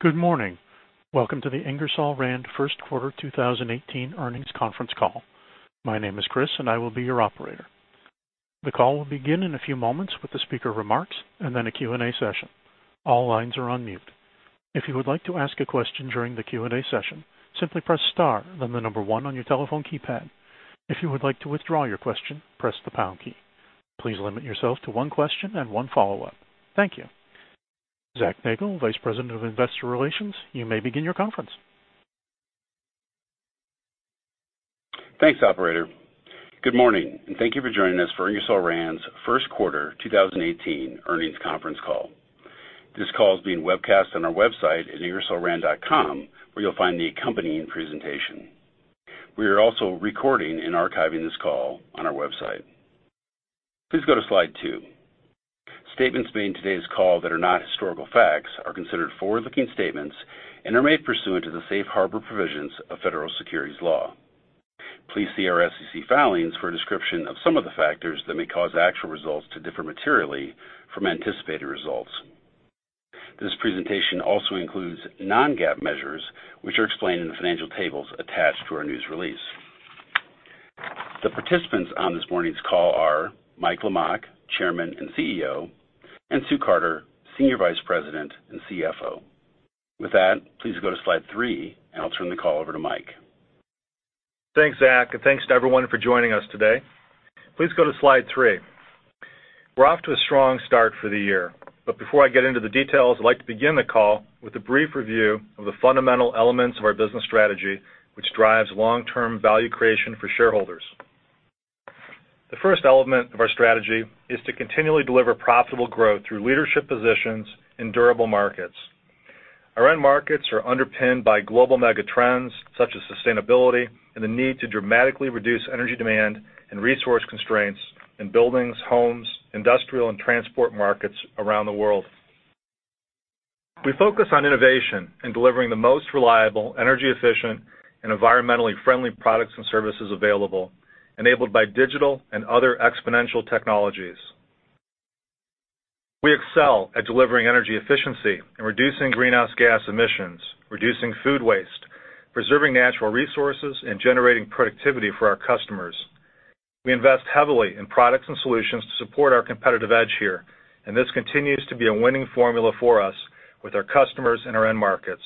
Good morning. Welcome to the Ingersoll Rand first quarter 2018 earnings conference call. My name is Chris, and I will be your operator. The call will begin in a few moments with the speaker remarks and then a Q&A session. All lines are on mute. If you would like to ask a question during the Q&A session, simply press star, then the number one on your telephone keypad. If you would like to withdraw your question, press the pound key. Please limit yourself to one question and one follow-up. Thank you. Zach Nagle, Vice President of Investor Relations, you may begin your conference. Thanks, operator. Good morning, and thank you for joining us for Ingersoll Rand's first quarter 2018 earnings conference call. This call is being webcast on our website at ingersollrand.com, where you'll find the accompanying presentation. We are also recording and archiving this call on our website. Please go to slide two. Statements made in today's call that are not historical facts are considered forward-looking statements and are made pursuant to the safe harbor provisions of federal securities law. Please see our SEC filings for a description of some of the factors that may cause actual results to differ materially from anticipated results. This presentation also includes non-GAAP measures, which are explained in the financial tables attached to our news release. The participants on this morning's call are Mike Lamach, Chairman and CEO, and Sue Carter, Senior Vice President and Chief Financial Officer. With that, please go to slide three, and I'll turn the call over to Mike. Thanks, Zach. Thanks to everyone for joining us today. Please go to slide three. We're off to a strong start for the year, but before I get into the details, I'd like to begin the call with a brief review of the fundamental elements of our business strategy, which drives long-term value creation for shareholders. The first element of our strategy is to continually deliver profitable growth through leadership positions in durable markets. Our end markets are underpinned by global mega trends such as sustainability and the need to dramatically reduce energy demand and resource constraints in buildings, homes, industrial, and transport markets around the world. We focus on innovation and delivering the most reliable, energy-efficient, and environmentally friendly products and services available, enabled by digital and other exponential technologies. We excel at delivering energy efficiency and reducing greenhouse gas emissions, reducing food waste, preserving natural resources, generating productivity for our customers. We invest heavily in products and solutions to support our competitive edge here, this continues to be a winning formula for us with our customers and our end markets.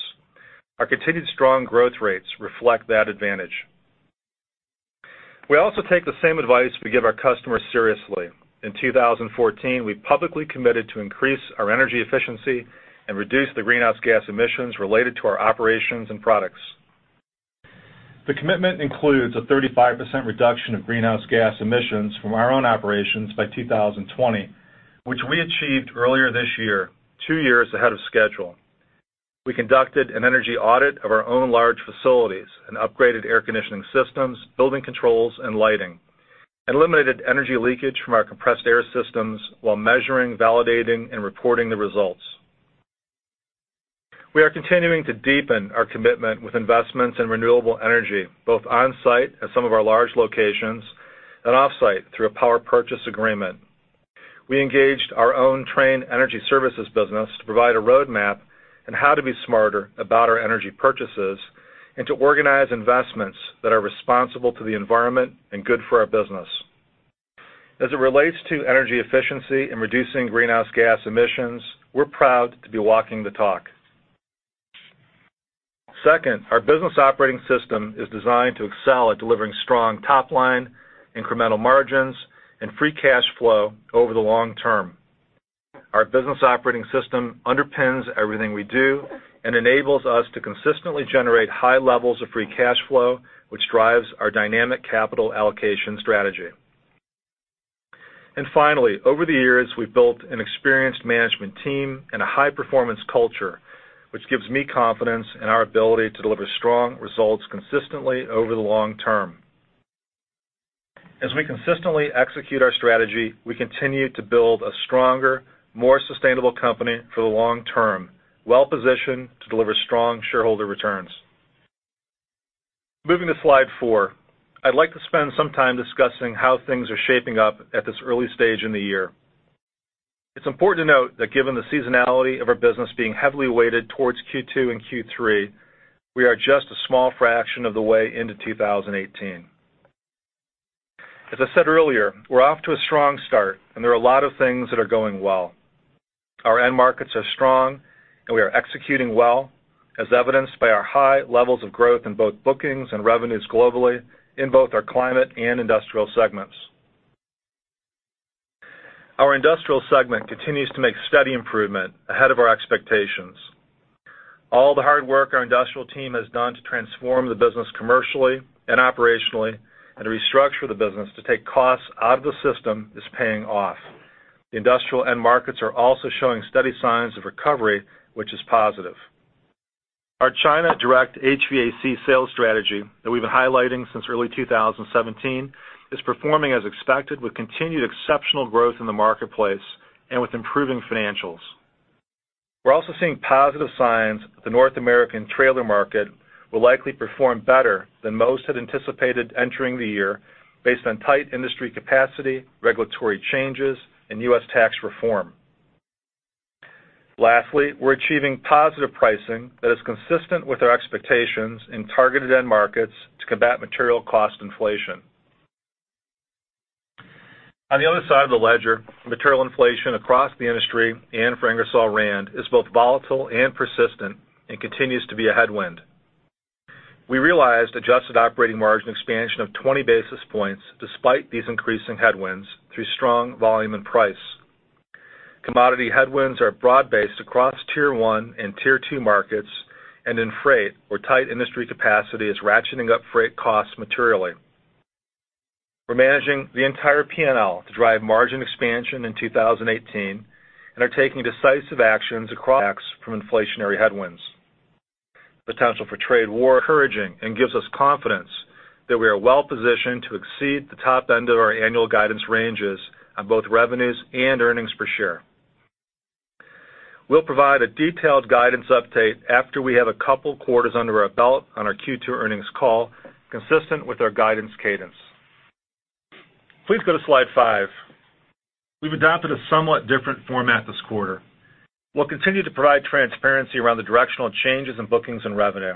Our continued strong growth rates reflect that advantage. We also take the same advice we give our customers seriously. In 2014, we publicly committed to increase our energy efficiency and reduce the greenhouse gas emissions related to our operations and products. The commitment includes a 35% reduction of greenhouse gas emissions from our own operations by 2020, which we achieved earlier this year, two years ahead of schedule. We conducted an energy audit of our own large facilities, upgraded air conditioning systems, building controls, lighting, eliminated energy leakage from our compressed air systems while measuring, validating, and reporting the results. We are continuing to deepen our commitment with investments in renewable energy, both on-site at some of our large locations and off-site through a power purchase agreement. We engaged our own Trane Energy Services business to provide a roadmap on how to be smarter about our energy purchases and to organize investments that are responsible to the environment and good for our business. As it relates to energy efficiency and reducing greenhouse gas emissions, we're proud to be walking the talk. Second, our business operating system is designed to excel at delivering strong top line, incremental margins, and free cash flow over the long term. Our business operating system underpins everything we do and enables us to consistently generate high levels of free cash flow, which drives our dynamic capital allocation strategy. Finally, over the years, we've built an experienced management team and a high-performance culture, which gives me confidence in our ability to deliver strong results consistently over the long term. As we consistently execute our strategy, we continue to build a stronger, more sustainable company for the long term, well-positioned to deliver strong shareholder returns. Moving to slide four. I'd like to spend some time discussing how things are shaping up at this early stage in the year. It's important to note that given the seasonality of our business being heavily weighted towards Q2 and Q3, we are just a small fraction of the way into 2018. As I said earlier, we're off to a strong start, there are a lot of things that are going well. Our end markets are strong, we are executing well, as evidenced by our high levels of growth in both bookings and revenues globally in both our climate and industrial segments. Our industrial segment continues to make steady improvement ahead of our expectations. All the hard work our industrial team has done to transform the business commercially and operationally and to restructure the business to take costs out of the system is paying off. The industrial end markets are also showing steady signs of recovery, which is positive. Our China direct HVAC sales strategy that we've been highlighting since early 2017 is performing as expected with continued exceptional growth in the marketplace and with improving financials. We're also seeing positive signs the North American trailer market will likely perform better than most had anticipated entering the year based on tight industry capacity, regulatory changes, and U.S. tax reform. Lastly, we're achieving positive pricing that is consistent with our expectations in targeted end markets to combat material cost inflation. On the other side of the ledger, material inflation across the industry and for Ingersoll Rand is both volatile and persistent and continues to be a headwind. We realized adjusted operating margin expansion of 20 basis points despite these increasing headwinds through strong volume and price. Commodity headwinds are broad-based across tier 1 and tier 2 markets and in freight, where tight industry capacity is ratcheting up freight costs materially. We're managing the entire P&L to drive margin expansion in 2018 and are taking decisive actions across from inflationary headwinds. Potential for trade war encouraging and gives us confidence that we are well-positioned to exceed the top end of our annual guidance ranges on both revenues and earnings per share. We'll provide a detailed guidance update after we have a couple quarters under our belt on our Q2 earnings call, consistent with our guidance cadence. Please go to slide five. We've adopted a somewhat different format this quarter. We'll continue to provide transparency around the directional changes in bookings and revenue.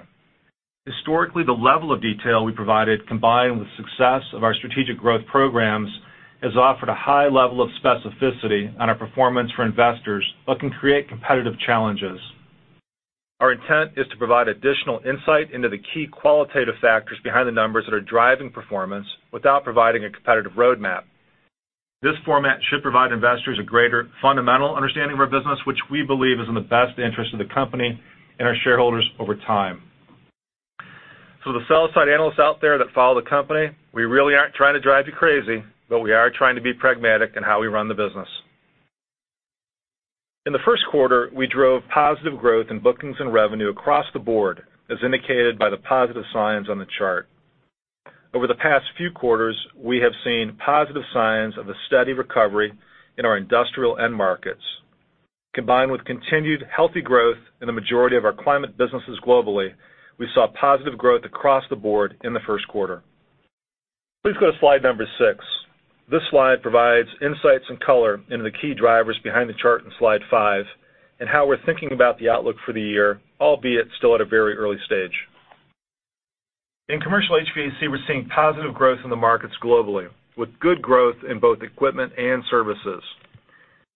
Historically, the level of detail we provided, combined with success of our strategic growth programs, has offered a high level of specificity on our performance for investors but can create competitive challenges. Our intent is to provide additional insight into the key qualitative factors behind the numbers that are driving performance without providing a competitive roadmap. This format should provide investors a greater fundamental understanding of our business, which we believe is in the best interest of the company and our shareholders over time. The sell-side analysts out there that follow the company, we really aren't trying to drive you crazy, but we are trying to be pragmatic in how we run the business. In the first quarter, we drove positive growth in bookings and revenue across the board, as indicated by the positive signs on the chart. Over the past few quarters, we have seen positive signs of a steady recovery in our industrial end markets. Combined with continued healthy growth in the majority of our climate businesses globally, we saw positive growth across the board in the first quarter. Please go to slide number six. This slide provides insights and color into the key drivers behind the chart in slide five, and how we're thinking about the outlook for the year, albeit still at a very early stage. In commercial HVAC, we're seeing positive growth in the markets globally, with good growth in both equipment and services.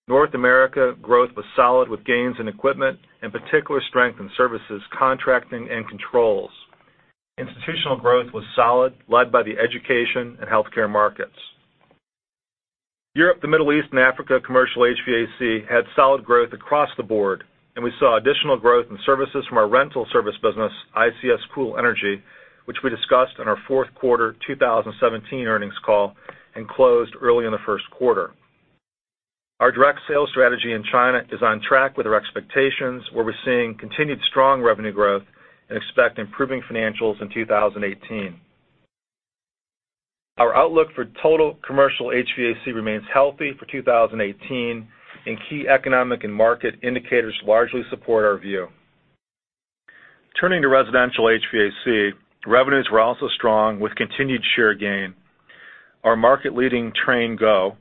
North America growth was solid, with gains in equipment and particular strength in services, contracting, and controls. Institutional growth was solid, led by the education and healthcare markets. Europe, the Middle East, and Africa commercial HVAC had solid growth across the board, and we saw additional growth in services from our rental service business, ICS Cool Energy, which we discussed on our fourth quarter 2017 earnings call and closed early in the first quarter. Our direct sales strategy in China is on track with our expectations, where we're seeing continued strong revenue growth and expect improving financials in 2018. Our outlook for total commercial HVAC remains healthy for 2018, and key economic and market indicators largely support our view. Turning to residential HVAC, revenues were also strong with continued share gain. Our market-leading Trane Go,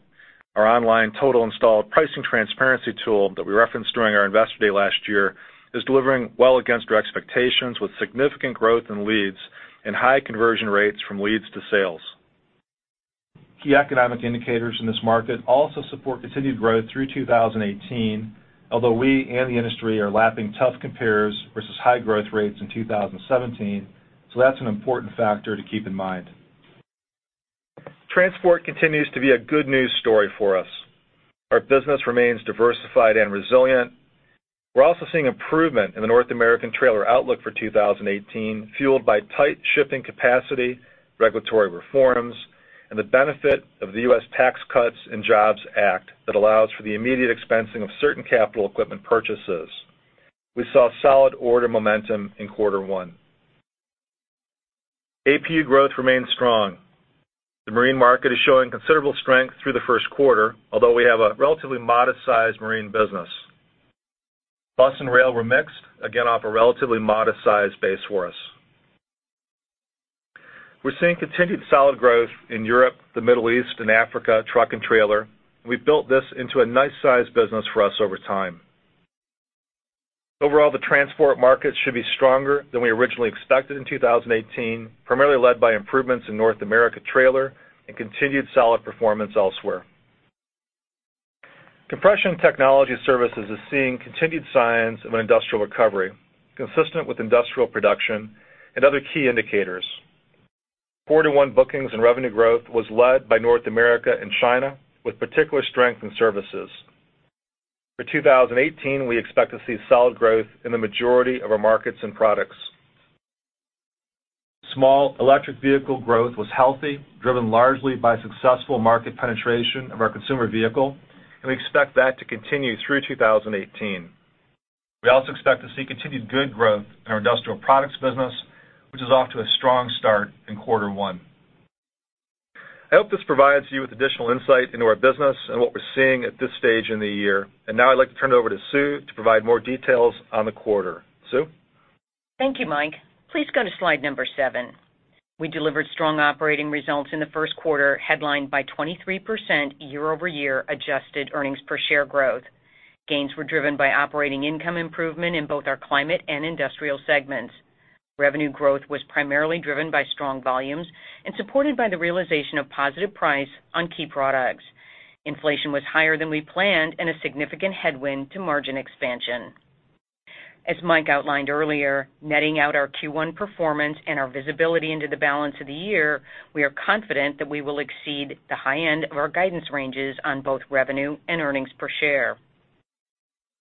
our online total installed pricing transparency tool that we referenced during our investor day last year, is delivering well against our expectations, with significant growth in leads and high conversion rates from leads to sales. Key economic indicators in this market also support continued growth through 2018, although we and the industry are lapping tough compares versus high growth rates in 2017. That's an important factor to keep in mind. Transport continues to be a good news story for us. Our business remains diversified and resilient. We're also seeing improvement in the North American trailer outlook for 2018, fueled by tight shipping capacity, regulatory reforms, and the benefit of the U.S. Tax Cuts and Jobs Act that allows for the immediate expensing of certain capital equipment purchases. We saw solid order momentum in quarter one. APU growth remains strong. The marine market is showing considerable strength through the first quarter, although we have a relatively modest-sized marine business. Bus and rail were mixed, again, off a relatively modest-sized base for us. We're seeing continued solid growth in Europe, the Middle East, and Africa truck and trailer. We've built this into a nice sized business for us over time. Overall, the transport market should be stronger than we originally expected in 2018, primarily led by improvements in North America trailer and continued solid performance elsewhere. Compression Technology Services is seeing continued signs of an industrial recovery, consistent with industrial production and other key indicators. Quarter one bookings and revenue growth was led by North America and China, with particular strength in services. For 2018, we expect to see solid growth in the majority of our markets and products. Small electric vehicle growth was healthy, driven largely by successful market penetration of our consumer vehicle, and we expect that to continue through 2018. We also expect to see continued good growth in our industrial products business, which is off to a strong start in quarter one. I hope this provides you with additional insight into our business and what we're seeing at this stage in the year. Now I'd like to turn it over to Sue to provide more details on the quarter. Sue? Thank you, Mike. Please go to slide number seven. We delivered strong operating results in the first quarter, headlined by 23% year-over-year adjusted earnings per share growth. Gains were driven by operating income improvement in both our climate and industrial segments. Revenue growth was primarily driven by strong volumes and supported by the realization of positive price on key products. Inflation was higher than we planned and a significant headwind to margin expansion. As Mike outlined earlier, netting out our Q1 performance and our visibility into the balance of the year, we are confident that we will exceed the high end of our guidance ranges on both revenue and earnings per share.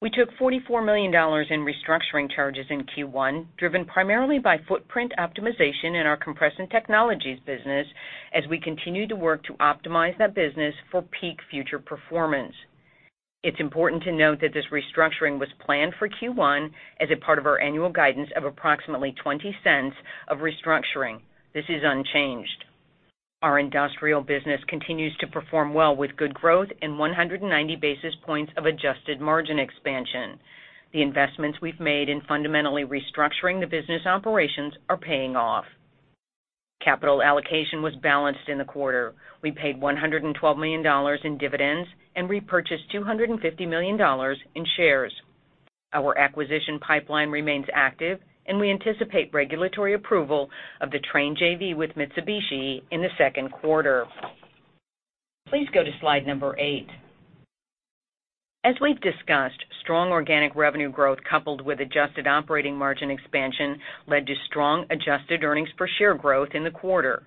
We took $44 million in restructuring charges in Q1, driven primarily by footprint optimization in our Compression Technologies business, as we continue to work to optimize that business for peak future performance. It's important to note that this restructuring was planned for Q1 as a part of our annual guidance of approximately $0.20 of restructuring. This is unchanged. Our industrial business continues to perform well with good growth and 190 basis points of adjusted margin expansion. The investments we've made in fundamentally restructuring the business operations are paying off. Capital allocation was balanced in the quarter. We paid $112 million in dividends and repurchased $250 million in shares. Our acquisition pipeline remains active, and we anticipate regulatory approval of the Trane JV with Mitsubishi Electric in the second quarter. Please go to slide number eight. As we've discussed, strong organic revenue growth coupled with adjusted operating margin expansion led to strong adjusted earnings per share growth in the quarter.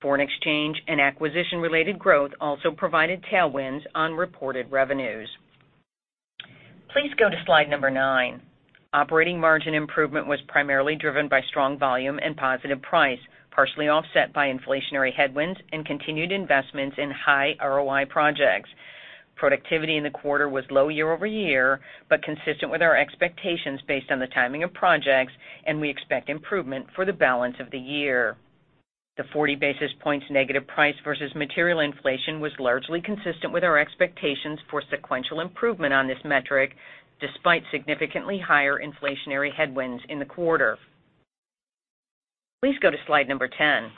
Foreign exchange and acquisition-related growth also provided tailwinds on reported revenues. Please go to slide number nine. Operating margin improvement was primarily driven by strong volume and positive price, partially offset by inflationary headwinds and continued investments in high ROI projects. Productivity in the quarter was low year-over-year, but consistent with our expectations based on the timing of projects, and we expect improvement for the balance of the year. The 40 basis points negative price versus material inflation was largely consistent with our expectations for sequential improvement on this metric, despite significantly higher inflationary headwinds in the quarter. Please go to slide number 10.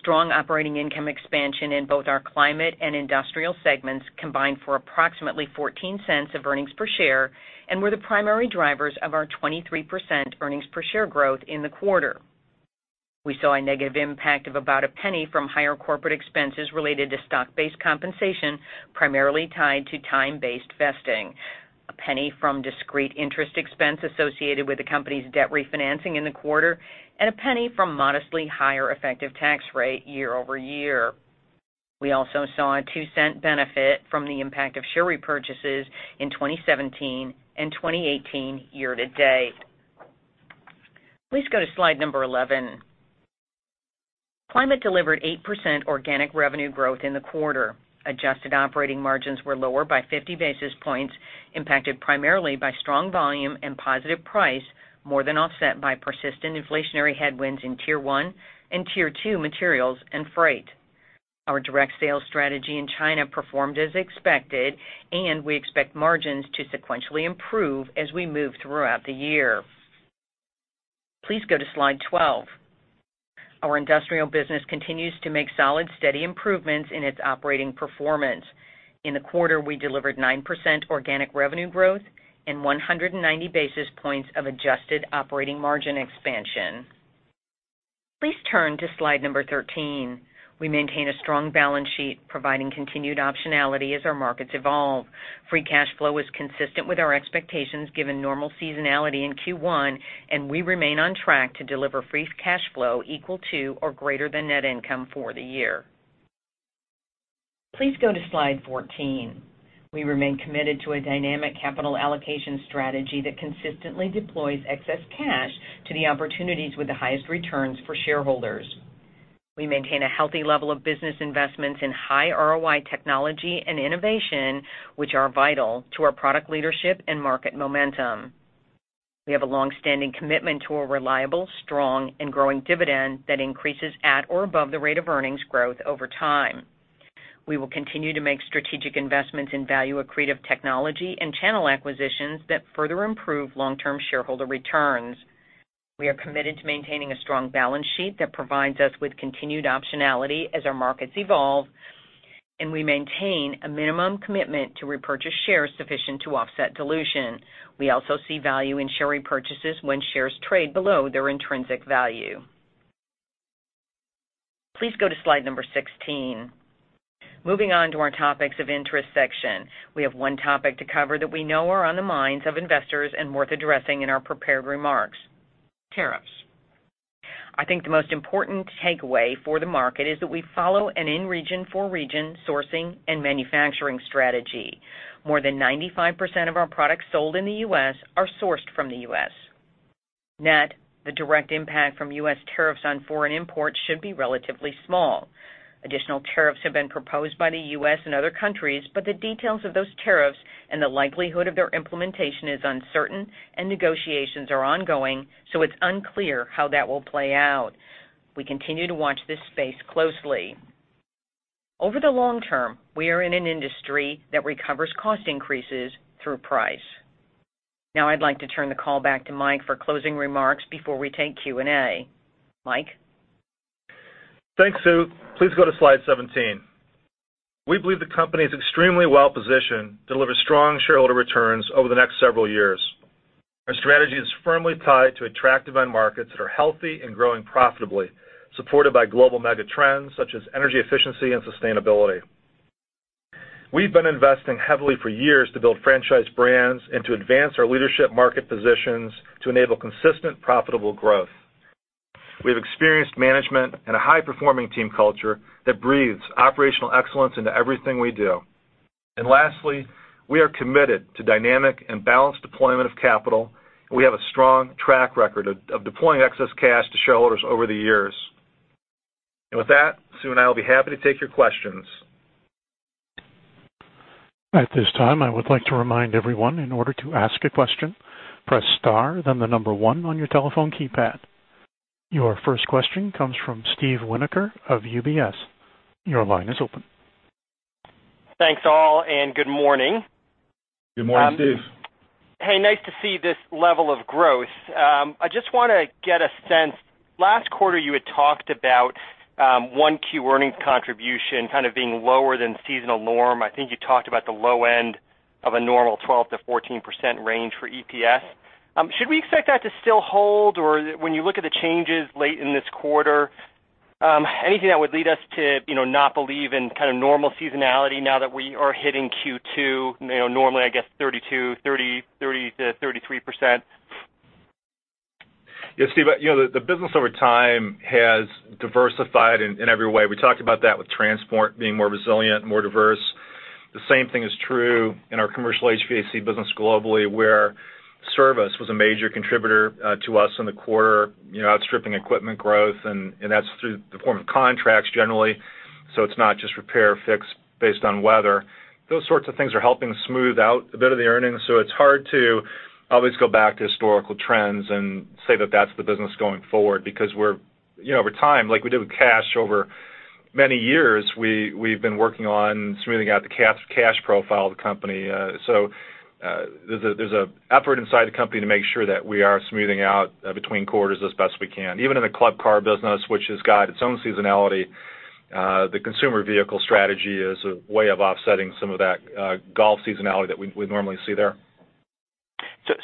Strong operating income expansion in both our climate and industrial segments combined for approximately $0.14 of earnings per share and were the primary drivers of our 23% earnings per share growth in the quarter. We saw a negative impact of about $0.01 from higher corporate expenses related to stock-based compensation, primarily tied to time-based vesting, $0.01 from discrete interest expense associated with the company's debt refinancing in the quarter, and $0.01 from modestly higher effective tax rate year-over-year. We also saw a $0.02 benefit from the impact of share repurchases in 2017 and 2018 year to date. Please go to slide number 11. Our industrial business continues to make solid, steady improvements in its operating performance. In the quarter, we delivered 9% organic revenue growth and 190 basis points of adjusted operating margin expansion. Please turn to slide number 13. We maintain a strong balance sheet, providing continued optionality as our markets evolve. Free cash flow is consistent with our expectations given normal seasonality in Q1, and we remain on track to deliver free cash flow equal to or greater than net income for the year. Please go to slide 14. We remain committed to a dynamic capital allocation strategy that consistently deploys excess cash to the opportunities with the highest returns for shareholders. We maintain a healthy level of business investments in high ROI technology and innovation, which are vital to our product leadership and market momentum. We have a longstanding commitment to a reliable, strong and growing dividend that increases at or above the rate of earnings growth over time. We will continue to make strategic investments in value accretive technology and channel acquisitions that further improve long-term shareholder returns. We are committed to maintaining a strong balance sheet that provides us with continued optionality as our markets evolve, and we maintain a minimum commitment to repurchase shares sufficient to offset dilution. We also see value in share repurchases when shares trade below their intrinsic value. Please go to slide 16. Moving on to our topics of interest section. We have one topic to cover that we know are on the minds of investors and worth addressing in our prepared remarks, tariffs. I think the most important takeaway for the market is that we follow an in-region, for-region sourcing and manufacturing strategy. More than 95% of our products sold in the U.S. are sourced from the U.S. Net, the direct impact from U.S. tariffs on foreign imports should be relatively small. Additional tariffs have been proposed by the U.S. and other countries, but the details of those tariffs and the likelihood of their implementation is uncertain and negotiations are ongoing, so it's unclear how that will play out. We continue to watch this space closely. Over the long term, we are in an industry that recovers cost increases through price. Now I'd like to turn the call back to Mike for closing remarks before we take Q&A. Mike? Thanks, Sue. Please go to slide 17. We believe the company is extremely well-positioned to deliver strong shareholder returns over the next several years. Our strategy is firmly tied to attractive end markets that are healthy and growing profitably, supported by global mega trends such as energy efficiency and sustainability. We've been investing heavily for years to build franchise brands and to advance our leadership market positions to enable consistent profitable growth. We have experienced management and a high-performing team culture that breathes operational excellence into everything we do. Lastly, we are committed to dynamic and balanced deployment of capital. We have a strong track record of deploying excess cash to shareholders over the years. With that, Sue and I will be happy to take your questions. At this time, I would like to remind everyone, in order to ask a question, press star, then the number one on your telephone keypad. Your first question comes from Steven Winoker of UBS. Your line is open. Thanks all. Good morning. Good morning, Steve. Hey, nice to see this level of growth. I just want to get a sense. Last quarter, you had talked about 1Q earnings contribution kind of being lower than seasonal norm. I think you talked about the low end of a normal 12%-14% range for EPS. Should we expect that to still hold? When you look at the changes late in this quarter, anything that would lead us to not believe in kind of normal seasonality now that we are hitting Q2, normally, I guess 32%-33%? Yes, Steve, the business over time has diversified in every way. We talked about that with transport being more resilient, more diverse. The same thing is true in our commercial HVAC business globally, where service was a major contributor to us in the quarter, outstripping equipment growth, and that's through the form of contracts generally, so it's not just repair fixed based on weather. Those sorts of things are helping smooth out a bit of the earnings. It's hard to always go back to historical trends and say that that's the business going forward because over time, like we did with cash over many years, we've been working on smoothing out the cash profile of the company. There's an effort inside the company to make sure that we are smoothing out between quarters as best we can. Even in the Club Car business, which has got its own seasonality, the consumer vehicle strategy is a way of offsetting some of that golf seasonality that we normally see there.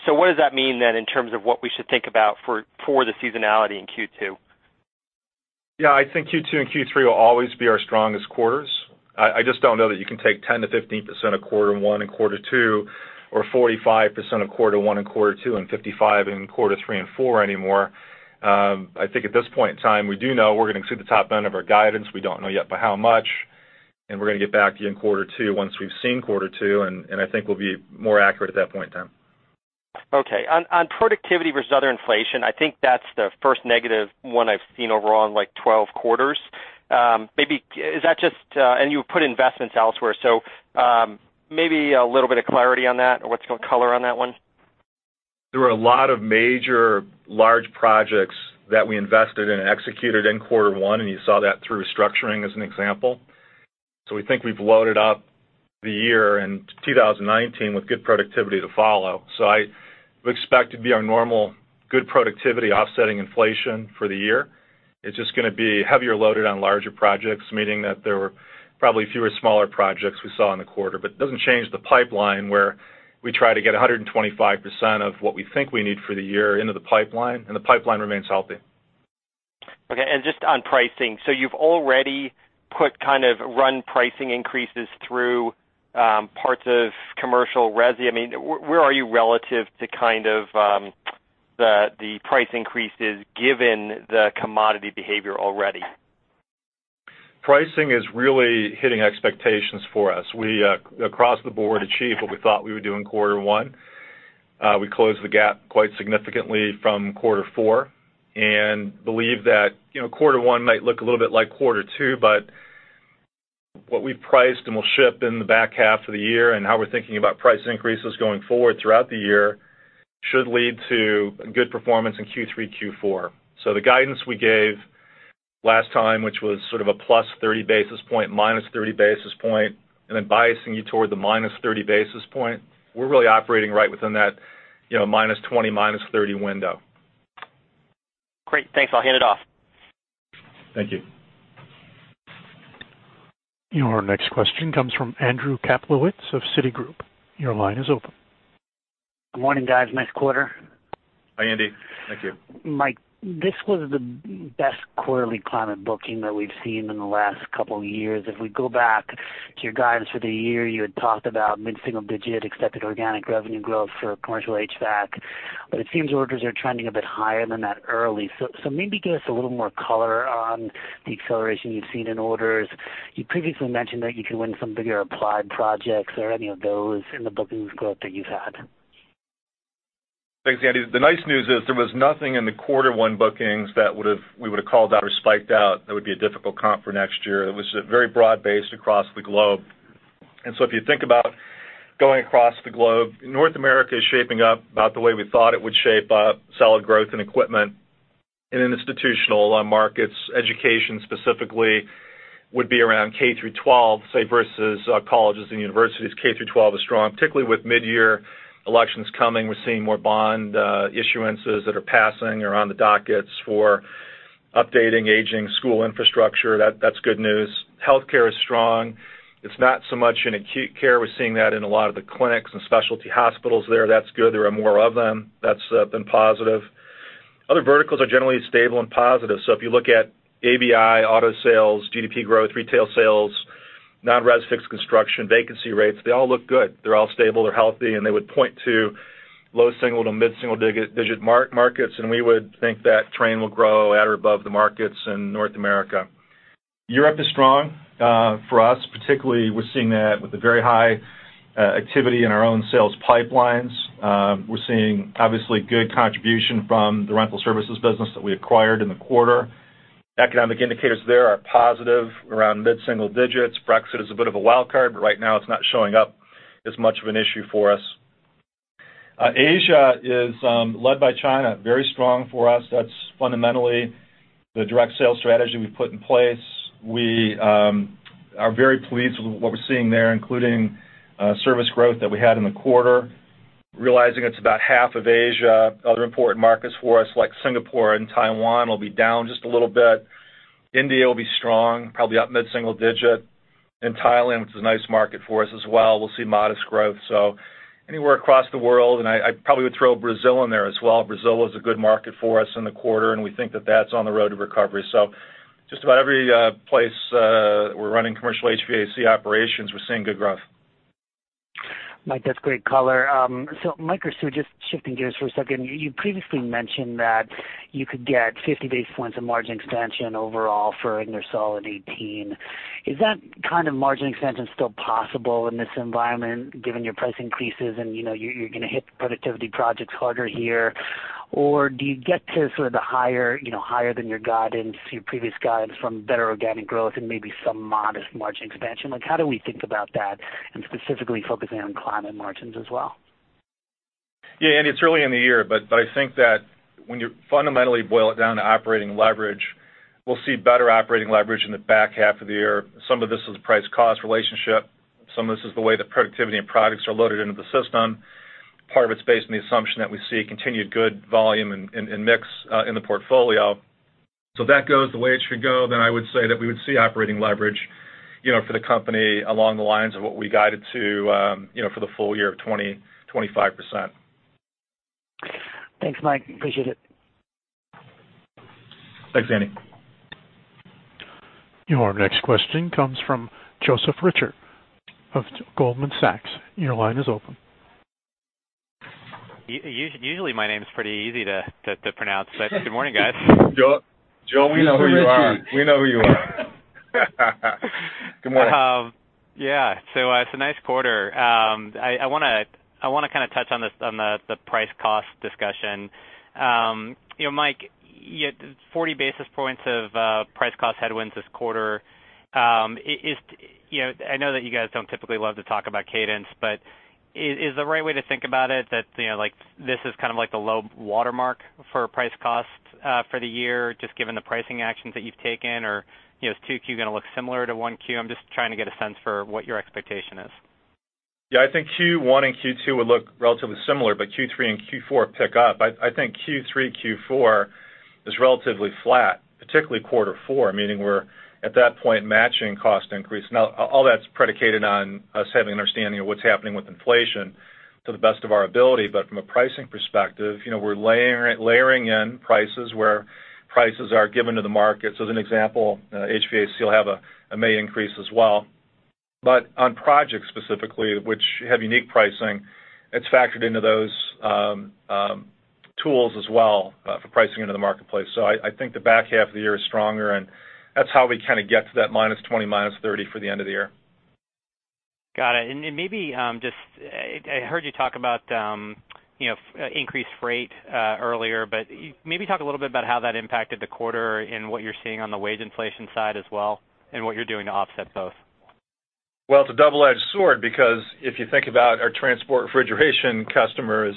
What does that mean then in terms of what we should think about for the seasonality in Q2? I think Q2 and Q3 will always be our strongest quarters. I just don't know that you can take 10%-15% of Q1 and Q2 or 45% of Q1 and Q2 and 55% in Q3 and Q4 anymore. I think at this point in time, we do know we're going to exceed the top end of our guidance. We don't know yet by how much, and we're going to get back to you in Q2 once we've seen Q2, and I think we'll be more accurate at that point in time. On productivity versus other inflation, I think that's the first negative one I've seen over on like 12 quarters. You put investments elsewhere, so maybe a little bit of clarity on that or what's going to color on that one? There were a lot of major large projects that we invested in and executed in Quarter One, and you saw that through restructuring as an example. We think we've loaded up the year in 2019 with good productivity to follow. I would expect to be our normal good productivity offsetting inflation for the year. It's just going to be heavier loaded on larger projects, meaning that there were probably fewer smaller projects we saw in the quarter. It doesn't change the pipeline where we try to get 125% of what we think we need for the year into the pipeline, and the pipeline remains healthy. Okay, just on pricing. You've already put kind of run pricing increases through parts of commercial resi. Where are you relative to kind of the price increases given the commodity behavior already? Pricing is really hitting expectations for us. We, across the board, achieved what we thought we would do in Quarter One. We closed the gap quite significantly from Quarter Four and believe that Quarter One might look a little bit like Quarter Two, but what we priced and will ship in the back half of the year and how we're thinking about price increases going forward throughout the year should lead to good performance in Q3, Q4. The guidance we gave last time, which was sort of a plus 30 basis point, minus 30 basis point, and then biasing you toward the minus 30 basis point, we're really operating right within that minus 20, minus 30 window. Great. Thanks. I'll hand it off. Thank you. Your next question comes from Andrew Kaplowitz of Citigroup. Your line is open. Good morning, guys. Nice quarter. Hi, Andy. Thank you. Mike, this was the best quarterly climate booking that we've seen in the last couple of years. If we go back to your guidance for the year, you had talked about mid-single digit accepted organic revenue growth for commercial HVAC, but it seems orders are trending a bit higher than that early. Maybe give us a little more color on the acceleration you've seen in orders. You previously mentioned that you could win some bigger applied projects. Are any of those in the bookings growth that you've had? Thanks, Andy. The nice news is there was nothing in the Quarter One bookings that we would have called out or spiked out that would be a difficult comp for next year. It was very broad-based across the globe If you think about going across the globe, North America is shaping up about the way we thought it would shape up, solid growth in equipment. In institutional markets, education specifically would be around K through 12, say, versus colleges and universities. K through 12 is strong, particularly with mid-year elections coming. We're seeing more bond issuances that are passing or on the dockets for updating aging school infrastructure. That's good news. Healthcare is strong. It's not so much in acute care. We're seeing that in a lot of the clinics and specialty hospitals there. That's good. There are more of them. That's been positive. Other verticals are generally stable and positive. If you look at ABI, auto sales, GDP growth, retail sales, non-res fixed construction, vacancy rates, they all look good. They're all stable. They're healthy, and they would point to low single to mid-single digit markets, and we would think that Trane will grow at or above the markets in North America. Europe is strong for us, particularly we're seeing that with the very high activity in our own sales pipelines. We're seeing obviously good contribution from the rental services business that we acquired in the quarter. Economic indicators there are positive, around mid-single digits. Brexit is a bit of a wild card, but right now it's not showing up as much of an issue for us. Asia is led by China, very strong for us. That's fundamentally the direct sales strategy we put in place. We are very pleased with what we're seeing there, including service growth that we had in the quarter. Realizing it's about half of Asia, other important markets for us like Singapore and Taiwan will be down just a little bit. India will be strong, probably up mid-single digit. Thailand, which is a nice market for us as well, we'll see modest growth. Anywhere across the world, and I probably would throw Brazil in there as well. Brazil was a good market for us in the quarter, and we think that that's on the road to recovery. Just about every place we're running commercial HVAC operations, we're seeing good growth. Mike, that's great color. Mike or Sue, just shifting gears for a second. You previously mentioned that you could get 50 basis points of margin expansion overall for Ingersoll Rand in 2018. Is that kind of margin expansion still possible in this environment given your price increases and you're going to hit the productivity projects harder here? Do you get to sort of the higher than your guidance, your previous guidance from better organic growth and maybe some modest margin expansion? How do we think about that, and specifically focusing on climate margins as well? Andy, it's early in the year, but I think that when you fundamentally boil it down to operating leverage, we'll see better operating leverage in the back half of the year. Some of this is price-cost relationship. Some of this is the way that productivity and products are loaded into the system. Part of it's based on the assumption that we see continued good volume and mix in the portfolio. If that goes the way it should go, then I would say that we would see operating leverage for the company along the lines of what we guided to for the full year of 25%. Thanks, Mike. Appreciate it. Thanks, Andy. Your next question comes from Joe Ritchie of Goldman Sachs. Your line is open. Usually my name's pretty easy to pronounce. Good morning, guys. Joe, we know who you are. Joe Ritchie. We know who you are. Good morning. Yeah. It's a nice quarter. I want to kind of touch on the price cost discussion. Mike, you had 40 basis points of price cost headwinds this quarter. I know that you guys don't typically love to talk about cadence, but is the right way to think about it that this is kind of like the low watermark for price cost for the year, just given the pricing actions that you've taken? Or is 2Q going to look similar to 1Q? I'm just trying to get a sense for what your expectation is. Yeah. I think Q1 and Q2 will look relatively similar, Q3 and Q4 pick up. I think Q3, Q4 is relatively flat, particularly quarter four, meaning we're at that point matching cost increase. All that's predicated on us having an understanding of what's happening with inflation to the best of our ability, from a pricing perspective, we're layering in prices where prices are given to the market. As an example, HVAC will have a May increase as well. On projects specifically, which have unique pricing, it's factored into those tools as well for pricing into the marketplace. I think the back half of the year is stronger, and that's how we kind of get to that minus 20, minus 30 for the end of the year. Got it. I heard you talk about increased freight earlier, maybe talk a little bit about how that impacted the quarter and what you're seeing on the wage inflation side as well, and what you're doing to offset both. Well, it's a double-edged sword because if you think about our transport refrigeration customers,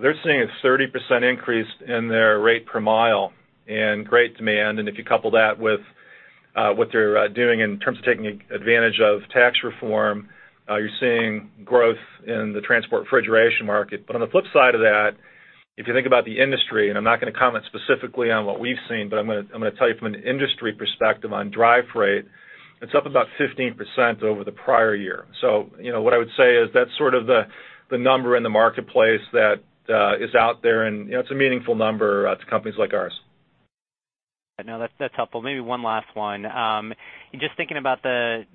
they're seeing a 30% increase in their rate per mile and great demand. If you couple that with what they're doing in terms of taking advantage of tax reform, you're seeing growth in the transport refrigeration market. On the flip side of that, if you think about the industry, and I'm not going to comment specifically on what we've seen, but I'm going to tell you from an industry perspective on drive freight, it's up about 15% over the prior year. What I would say is that's sort of the number in the marketplace that is out there, and it's a meaningful number to companies like ours. No, that's helpful. Maybe one last one. Just thinking about the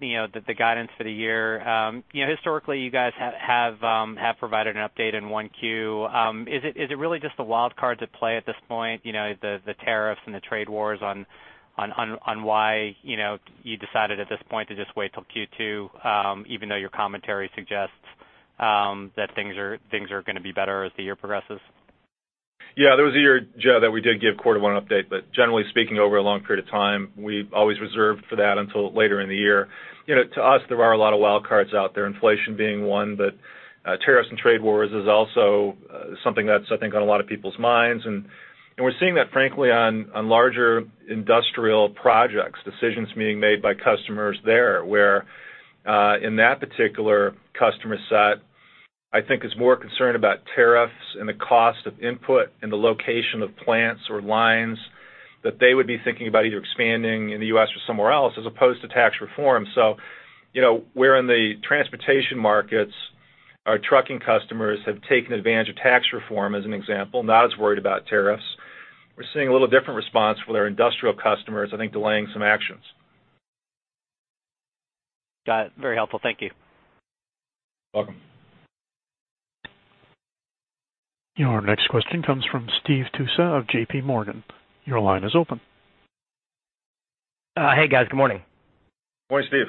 guidance for the year. Historically, you guys have provided an update in 1Q. Is it really just the wild cards at play at this point, the tariffs and the trade wars on why you decided at this point to just wait till Q2, even though your commentary suggests that things are going to be better as the year progresses? Yeah. There was a year, Joe, that we did give quarter one update, but generally speaking, over a long period of time, we've always reserved for that until later in the year. To us, there are a lot of wild cards out there, inflation being one. Tariffs and trade wars is also something that's, I think, on a lot of people's minds. We're seeing that frankly on larger industrial projects, decisions being made by customers there, where, in that particular customer set, I think is more concerned about tariffs and the cost of input and the location of plants or lines that they would be thinking about either expanding in the U.S. or somewhere else as opposed to tax reform. Where in the transportation markets, our trucking customers have taken advantage of tax reform as an example, not as worried about tariffs. We're seeing a little different response with our industrial customers, I think, delaying some actions. Got it. Very helpful. Thank you. Welcome. Your next question comes from Steve Tusa of J.P. Morgan. Your line is open. Hey, guys. Good morning. Morning, Steve.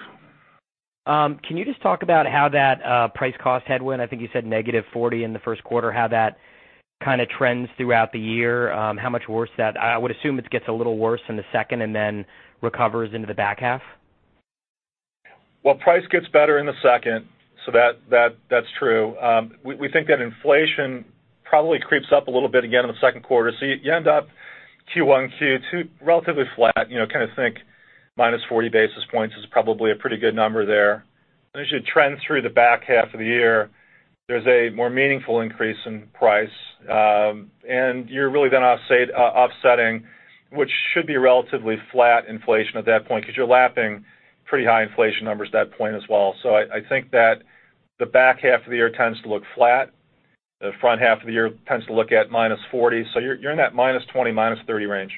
Can you just talk about how that price cost headwind, I think you said -40 in the first quarter, how that kind of trends throughout the year? How much worse I would assume it gets a little worse in the second and then recovers into the back half? Price gets better in the second, that's true. We think that inflation probably creeps up a little bit again in the second quarter. You end up Q1, Q2 relatively flat. Kind of think -40 basis points is probably a pretty good number there. As you trend through the back half of the year, there's a more meaningful increase in price. You're really then offsetting, which should be relatively flat inflation at that point because you're lapping pretty high inflation numbers at that point as well. I think that the back half of the year tends to look flat. The front half of the year tends to look at -40. You're in that -20, -30 range.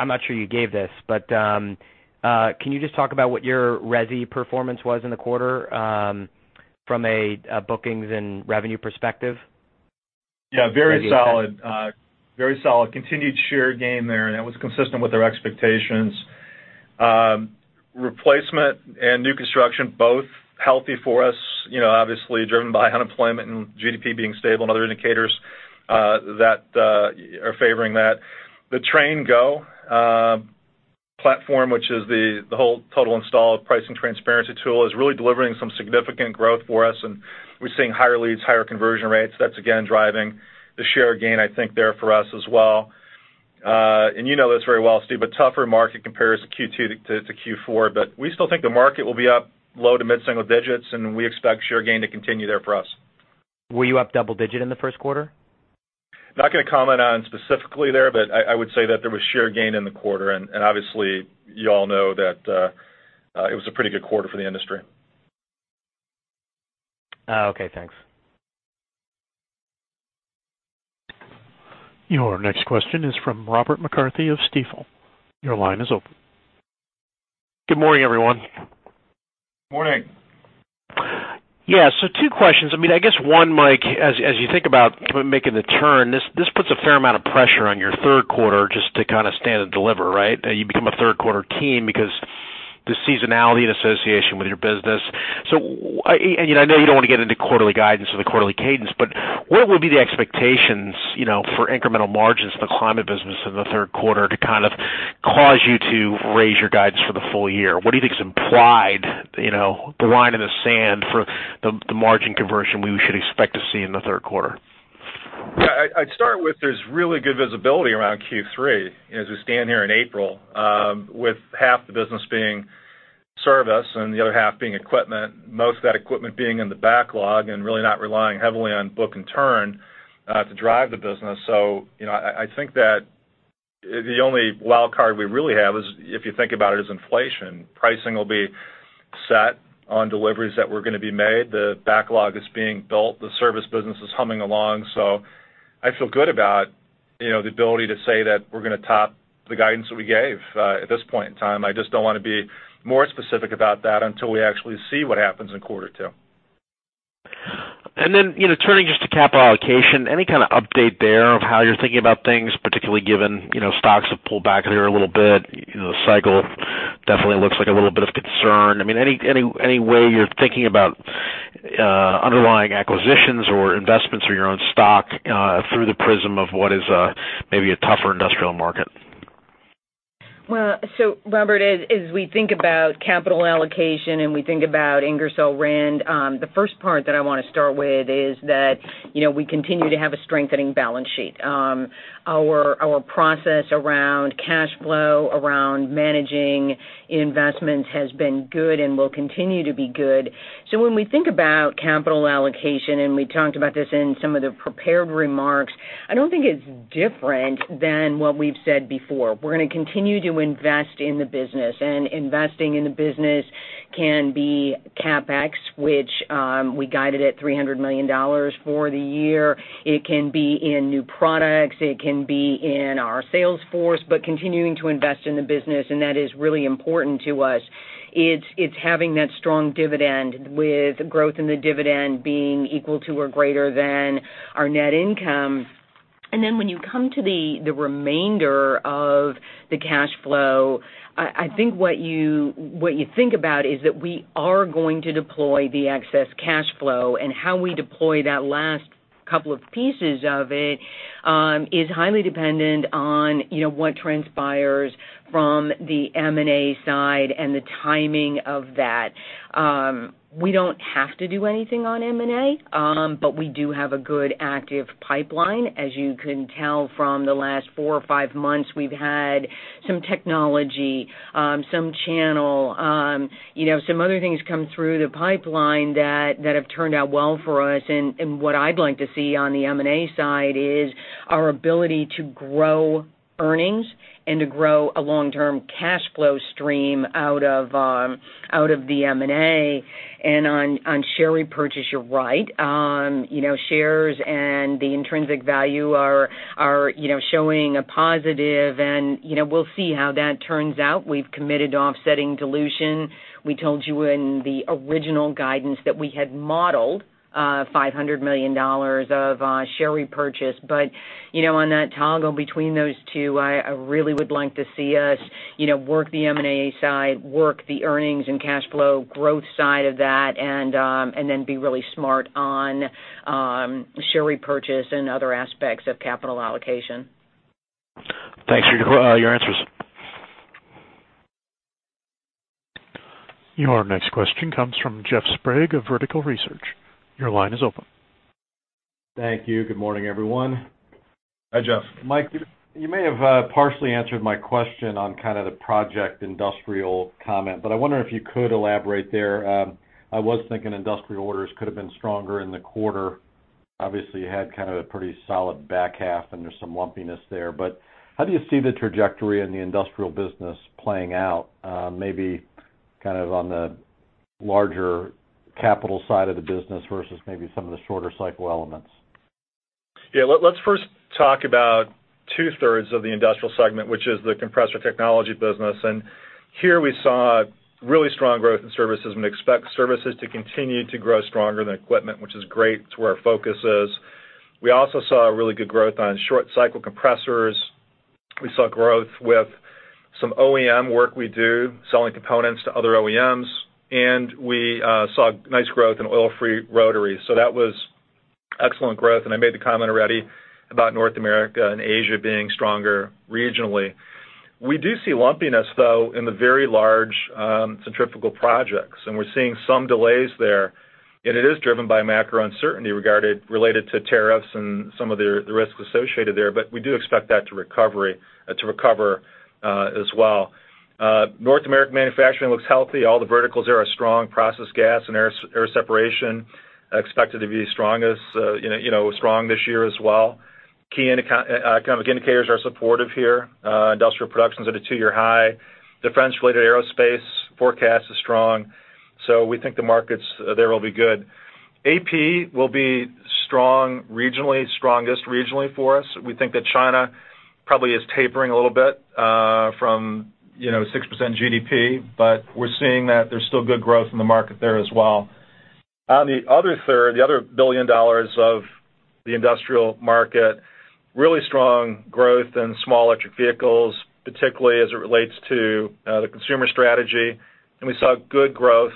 I'm not sure you gave this, but can you just talk about what your resi performance was in the quarter from a bookings and revenue perspective? Very solid. Continued share gain there, and that was consistent with our expectations. Replacement and new construction, both healthy for us, obviously driven by unemployment and GDP being stable and other indicators that are favoring that. The Trane Go platform, which is the whole total installed pricing transparency tool, is really delivering some significant growth for us, and we're seeing higher leads, higher conversion rates. That's again driving the share gain, I think, there for us as well. You know this very well, Steve, but tougher market compares Q2 to Q4. We still think the market will be up low to mid single digits, and we expect share gain to continue there for us. Were you up double-digit in the first quarter? Not going to comment on specifically there, but I would say that there was share gain in the quarter, and obviously you all know that it was a pretty good quarter for the industry. Okay, thanks. Your next question is from Robert McCarthy of Stifel. Your line is open. Good morning, everyone. Morning. Two questions. I guess one, Mike, as you think about making the turn, this puts a fair amount of pressure on your third quarter just to kind of stand and deliver, right? You become a third quarter team because the seasonality and association with your business. I know you don't want to get into quarterly guidance or the quarterly cadence, what would be the expectations for incremental margins in the climate business in the third quarter to kind of cause you to raise your guidance for the full year? What do you think is implied, the line in the sand for the margin conversion we should expect to see in the third quarter? Yeah. I'd start with, there's really good visibility around Q3 as we stand here in April, with half the business being service and the other half being equipment, most of that equipment being in the backlog and really not relying heavily on book and turn to drive the business. I think that the only wild card we really have is, if you think about it, is inflation. Pricing will be set on deliveries that were going to be made. The backlog is being built. The service business is humming along. I feel good about the ability to say that we're going to top the guidance that we gave at this point in time. I just don't want to be more specific about that until we actually see what happens in quarter two. Turning just to capital allocation, any kind of update there of how you're thinking about things, particularly given stocks have pulled back here a little bit. The cycle definitely looks like a little bit of concern. Any way you're thinking about underlying acquisitions or investments or your own stock through the prism of what is maybe a tougher industrial market? Robert, as we think about capital allocation and we think about Ingersoll Rand, the first part that I want to start with is that we continue to have a strengthening balance sheet. Our process around cash flow, around managing investments has been good and will continue to be good. When we think about capital allocation, and we talked about this in some of the prepared remarks, I don't think it's different than what we've said before. We're going to continue to invest in the business, and investing in the business can be CapEx, which we guided at $300 million for the year. It can be in new products. It can be in our sales force. Continuing to invest in the business, and that is really important to us. It's having that strong dividend with growth in the dividend being equal to or greater than our net income. When you come to the remainder of the cash flow, I think what you think about is that we are going to deploy the excess cash flow, and how we deploy that last couple of pieces of it is highly dependent on what transpires from the M&A side and the timing of that. We don't have to do anything on M&A, we do have a good active pipeline. As you can tell from the last four or five months, we've had some technology, some channel, some other things come through the pipeline that have turned out well for us. What I'd like to see on the M&A side is our ability to grow earnings and to grow a long-term cash flow stream out of the M&A. On share repurchase, you're right. Shares and the intrinsic value are showing a positive, and we'll see how that turns out. We've committed to offsetting dilution. We told you in the original guidance that we had modeled $500 million of share repurchase. On that toggle between those two, I really would like to see us work the M&A side, work the earnings and cash flow growth side of that, be really smart on share repurchase and other aspects of capital allocation. Thanks for your answers. Your next question comes from Jeff Sprague of Vertical Research. Your line is open. Thank you. Good morning, everyone. Hi, Jeff. Mike, you may have partially answered my question on kind of the project industrial comment. I wonder if you could elaborate there. I was thinking industrial orders could have been stronger in the quarter. Obviously, you had kind of a pretty solid back half, and there's some lumpiness there. How do you see the trajectory in the industrial business playing out, maybe kind of on the larger capital side of the business versus maybe some of the shorter cycle elements? Yeah. Let's first talk about two-thirds of the industrial segment, which is the compressor technology business. Here we saw really strong growth in services and expect services to continue to grow stronger than equipment, which is great. It's where our focus is. We also saw a really good growth on short cycle compressors. We saw growth with some OEM work we do, selling components to other OEMs, and we saw nice growth in oil-free rotary. That was excellent growth, and I made the comment already about North America and Asia being stronger regionally. We do see lumpiness, though, in the very large centrifugal projects, and we're seeing some delays there, and it is driven by macro uncertainty related to tariffs and some of the risks associated there. We do expect that to recover as well. North American manufacturing looks healthy. All the verticals there are strong. Process gas and air separation expected to be strong this year as well. Key economic indicators are supportive here. Industrial production's at a 2-year high. Defense-related aerospace forecast is strong. We think the markets there will be good. AP will be strong regionally, strongest regionally for us. We think that China probably is tapering a little bit from 6% GDP, We're seeing that there's still good growth in the market there as well. On the other third, the other $1 billion of the industrial market, really strong growth in small electric vehicles, particularly as it relates to the consumer strategy. We saw good growth,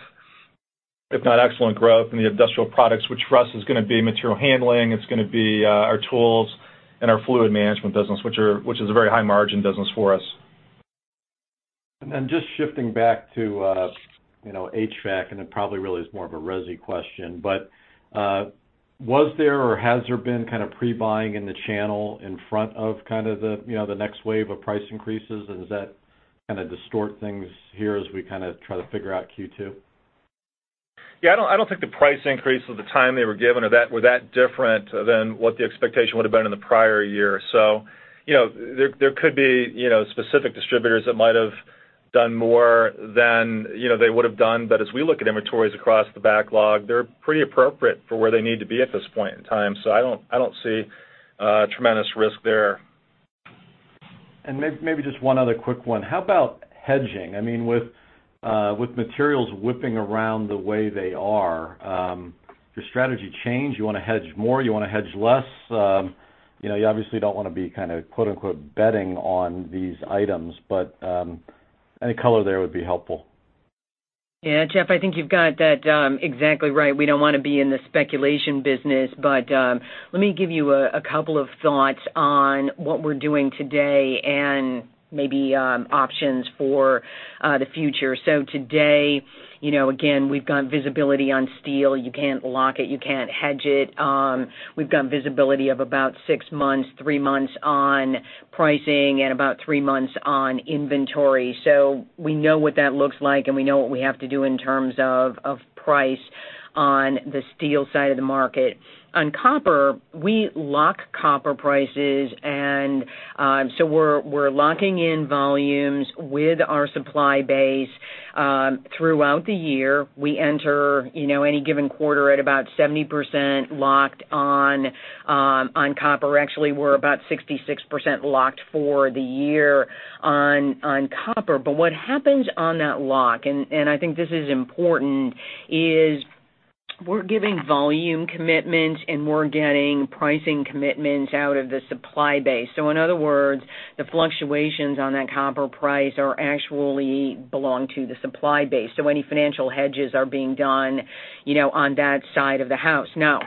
if not excellent growth, in the industrial products, which for us is going to be material handling, it's going to be our tools and our fluid management business, which is a very high margin business for us. Just shifting back to HVAC, and it probably really is more of a resi question, Was there or has there been kind of pre-buying in the channel in front of the next wave of price increases? Does that kind of distort things here as we kind of try to figure out Q2? Yeah, I don't think the price increase or the time they were given were that different than what the expectation would have been in the prior year. There could be specific distributors that might have done more than they would have done. As we look at inventories across the backlog, they're pretty appropriate for where they need to be at this point in time. I don't see tremendous risk there. Maybe just one other quick one. How about hedging? With materials whipping around the way they are, does strategy change? You want to hedge more? You want to hedge less? You obviously don't want to be kind of, quote unquote, betting on these items, but any color there would be helpful. Yeah, Jeff, I think you've got that exactly right. We don't want to be in the speculation business. Let me give you a couple of thoughts on what we're doing today and maybe options for the future. Today, again, we've got visibility on steel. You can't lock it. You can't hedge it. We've got visibility of about six months, three months on pricing, and about three months on inventory. We know what that looks like, and we know what we have to do in terms of price on the steel side of the market. On copper, we lock copper prices, and so we're locking in volumes with our supply base throughout the year. We enter any given quarter at about 70% locked on copper. Actually, we're about 66% locked for the year on copper. What happens on that lock, and I think this is important, is We're giving volume commitments, and we're getting pricing commitments out of the supply base. In other words, the fluctuations on that copper price actually belong to the supply base. Any financial hedges are being done on that side of the house. Now,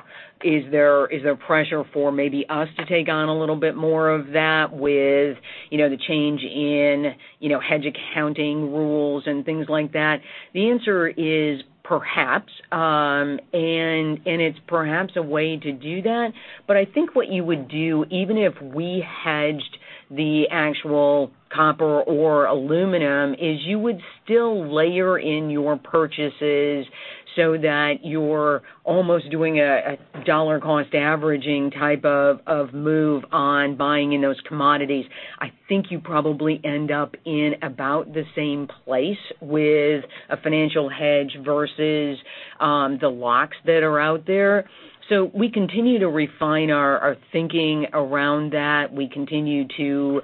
is there pressure for maybe us to take on a little bit more of that with the change in hedge accounting rules and things like that? The answer is perhaps, and it's perhaps a way to do that. I think what you would do, even if we hedged the actual copper or aluminum, is you would still layer in your purchases so that you're almost doing a dollar cost averaging type of move on buying in those commodities. I think you probably end up in about the same place with a financial hedge versus the locks that are out there. We continue to refine our thinking around that. We continue to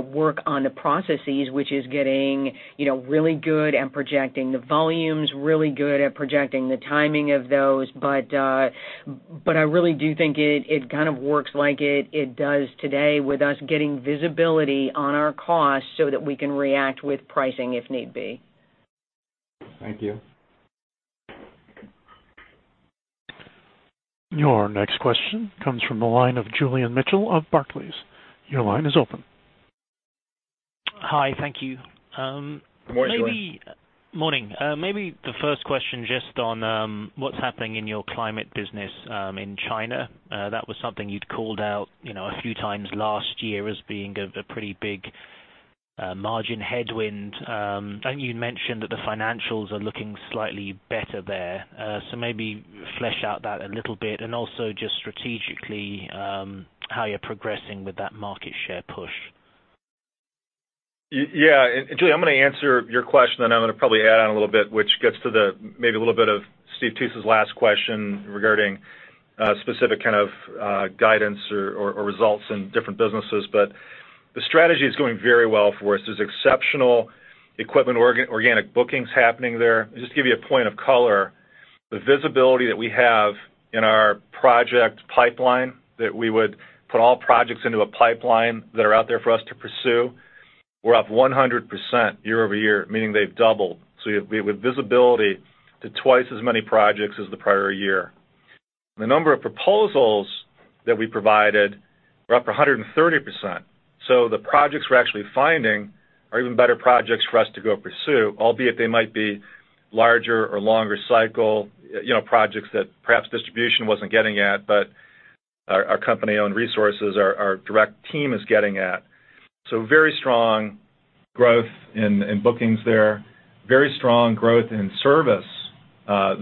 work on the processes, which is getting really good at projecting the volumes, really good at projecting the timing of those. I really do think it kind of works like it does today, with us getting visibility on our costs so that we can react with pricing if need be. Thank you. Your next question comes from the line of Julian Mitchell of Barclays. Your line is open. Hi. Thank you. Good morning, Julian. Morning. Maybe the first question just on what's happening in your climate business in China. That was something you'd called out a few times last year as being a pretty big margin headwind. You'd mentioned that the financials are looking slightly better there. Maybe flesh out that a little bit and also just strategically, how you're progressing with that market share push. Yeah. Julian, I'm going to answer your question, and I'm going to probably add on a little bit, which gets to maybe a little bit of Steve Tusa last question regarding specific kind of guidance or results in different businesses. The strategy is going very well for us. There's exceptional equipment organic bookings happening there. Just to give you a point of color, the visibility that we have in our project pipeline, that we would put all projects into a pipeline that are out there for us to pursue, we're up 100% year-over-year, meaning they've doubled. We have visibility to twice as many projects as the prior year. The number of proposals that we provided were up 130%. The projects we're actually finding are even better projects for us to go pursue, albeit they might be larger or longer cycle projects that perhaps distribution wasn't getting at, but our company-owned resources, our direct team is getting at. Very strong growth in bookings there. Very strong growth in service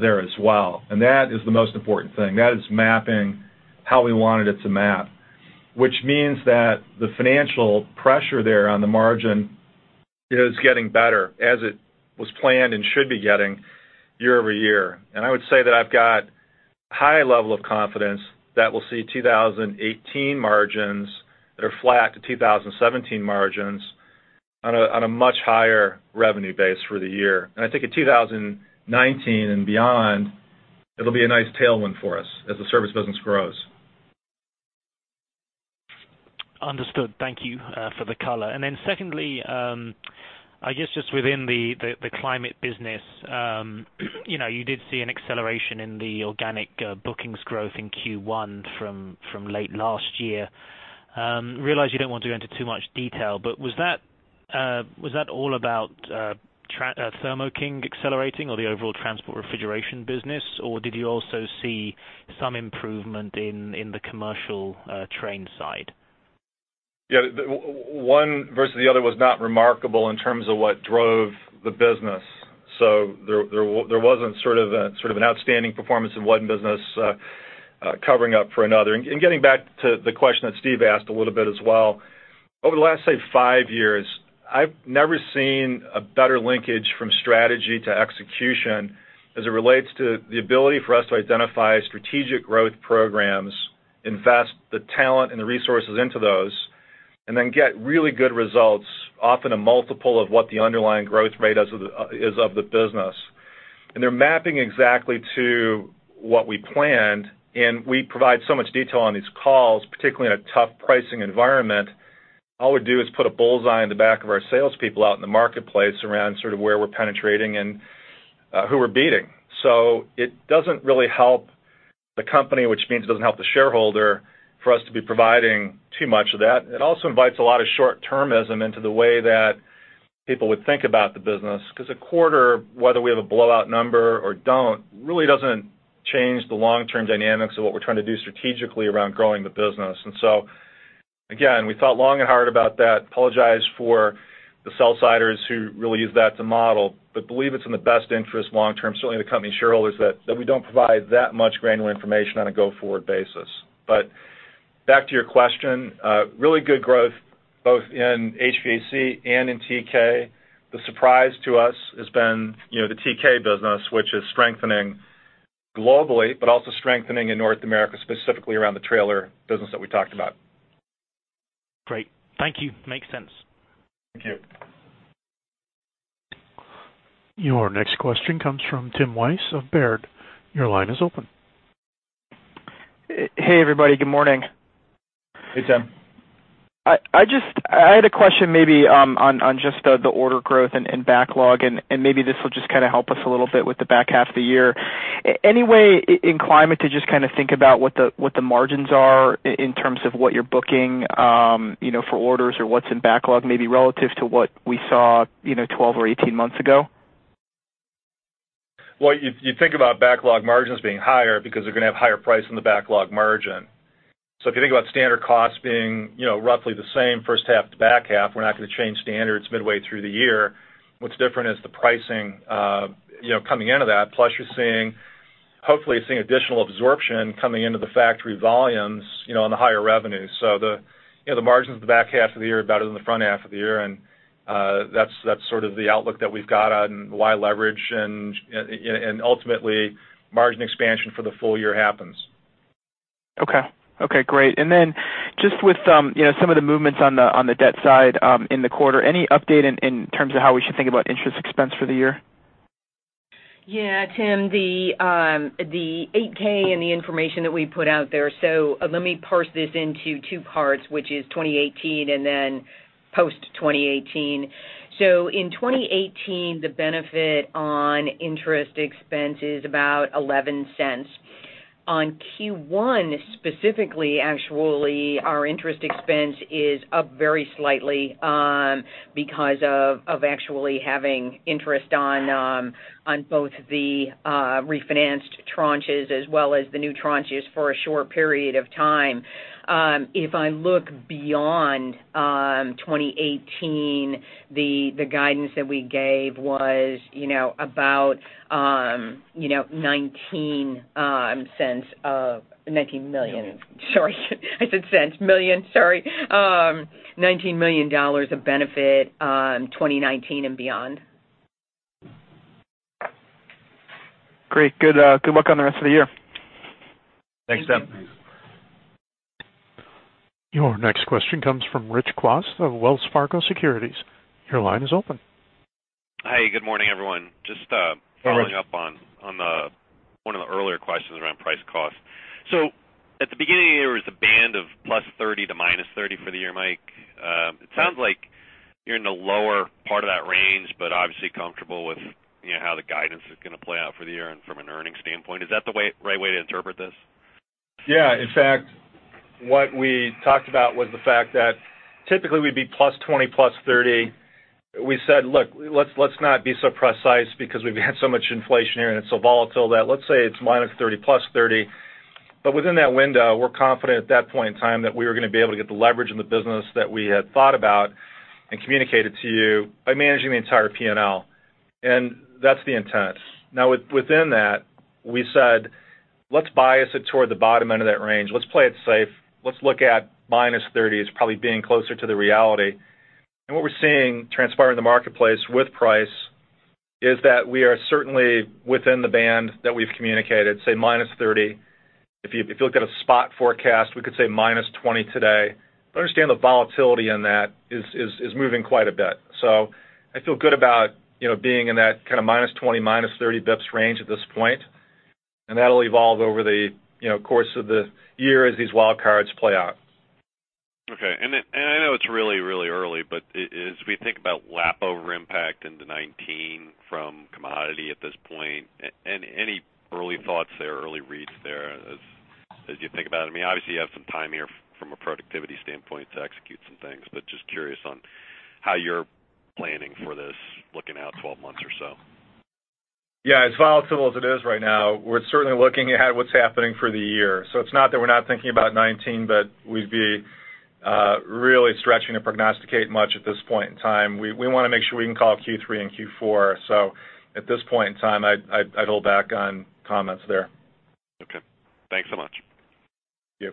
there as well. That is the most important thing. That is mapping how we wanted it to map, which means that the financial pressure there on the margin is getting better as it was planned and should be getting year-over-year. I would say that I've got high level of confidence that we'll see 2018 margins that are flat to 2017 margins on a much higher revenue base for the year. I think in 2019 and beyond, it'll be a nice tailwind for us as the service business grows. Understood. Thank you for the color. Then secondly, I guess just within the climate business, you did see an acceleration in the organic bookings growth in Q1 from late last year. Realize you don't want to go into too much detail, but was that all about Thermo King accelerating or the overall transport refrigeration business, or did you also see some improvement in the commercial Trane side? Yeah. One versus the other was not remarkable in terms of what drove the business. There wasn't sort of an outstanding performance of one business covering up for another. Getting back to the question that Steve asked a little bit as well, over the last, say, five years, I've never seen a better linkage from strategy to execution as it relates to the ability for us to identify strategic growth programs, invest the talent and the resources into those, and then get really good results, often a multiple of what the underlying growth rate is of the business. They're mapping exactly to what we planned, and we provide so much detail on these calls, particularly in a tough pricing environment. All we do is put a bullseye on the back of our salespeople out in the marketplace around sort of where we're penetrating and who we're beating. It doesn't really help the company, which means it doesn't help the shareholder, for us to be providing too much of that. It also invites a lot of short-termism into the way that people would think about the business, because a quarter, whether we have a blowout number or don't, really doesn't change the long-term dynamics of what we're trying to do strategically around growing the business. Again, we thought long and hard about that. Apologize for the sell-siders who really use that to model, but believe it's in the best interest long-term, certainly the company shareholders, that we don't provide that much granular information on a go-forward basis. Back to your question, really good growth both in HVAC and in TK. The surprise to us has been the TK business, which is strengthening globally, but also strengthening in North America, specifically around the trailer business that we talked about. Great. Thank you. Makes sense. Thank you. Your next question comes from Tim Wojs of Baird. Your line is open. Hey, everybody. Good morning. Hey, Tim. I had a question maybe on just the order growth and backlog, and maybe this will just kind of help us a little bit with the back half of the year. Any way in climate to just kind of think about what the margins are in terms of what you're booking for orders or what's in backlog, maybe relative to what we saw 12 or 18 months ago? Well, you think about backlog margins being higher because they're going to have a higher price than the backlog margin. If you think about standard costs being roughly the same first half to back half, we're not going to change standards midway through the year. What's different is the pricing coming into that. Plus, you're hopefully seeing additional absorption coming into the factory volumes on the higher revenue. The margins in the back half of the year are better than the front half of the year, and that's sort of the outlook that we've got on why leverage and ultimately margin expansion for the full year happens. Okay. Great. Just with some of the movements on the debt side in the quarter, any update in terms of how we should think about interest expense for the year? Yeah, Tim, the 8-K and the information that we put out there. Let me parse this into two parts, which is 2018 and then post-2018. In 2018, the benefit on interest expense is about $0.11. On Q1 specifically, actually, our interest expense is up very slightly because of actually having interest on both the refinanced tranches as well as the new tranches for a short period of time. If I look beyond 2018, the guidance that we gave was about $19 million. Sorry, I said cents. Million, sorry. $19 million of benefit 2019 and beyond. Great. Good luck on the rest of the year. Thanks, Tim. Thank you. Your next question comes from Rich Kwas of Wells Fargo Securities. Your line is open. Hi, good morning, everyone. Hey, Rich. Following up on one of the earlier questions around price cost. At the beginning, there was a band of +30 to -30 for the year, Mike. It sounds like you're in the lower part of that range, but obviously comfortable with how the guidance is going to play out for the year and from an earnings standpoint. Is that the right way to interpret this? Yeah. In fact, what we talked about was the fact that typically we'd be +20, +30. We said, "Look, let's not be so precise because we've had so much inflation here, and it's so volatile that let's say it's -30, +30." Within that window, we're confident at that point in time that we were going to be able to get the leverage in the business that we had thought about and communicated to you by managing the entire P&L, and that's the intent. Now, within that, we said, "Let's bias it toward the bottom end of that range. Let's play it safe. Let's look at -30 as probably being closer to the reality." What we're seeing transpire in the marketplace with price is that we are certainly within the band that we've communicated, say, -30. If you look at a spot forecast, we could say minus 20 today. Understand the volatility in that is moving quite a bit. I feel good about being in that kind of minus 20, minus 30 basis points range at this point, and that'll evolve over the course of the year as these wild cards play out. Okay. I know it's really early, but as we think about lap over impact into 2019 from commodity at this point, any early thoughts there, early reads there as you think about it? I mean, obviously, you have some time here from a productivity standpoint to execute some things, but just curious on how you're planning for this looking out 12 months or so. Yeah. As volatile as it is right now, we're certainly looking at what's happening for the year. It's not that we're not thinking about 2019, but we'd be really stretching to prognosticate much at this point in time. We want to make sure we can call Q3 and Q4. At this point in time, I'd hold back on comments there. Okay. Thanks so much. Thank you.